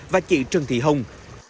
và chị trần thị hồng